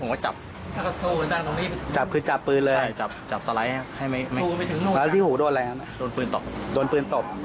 มินรีติถูกรู้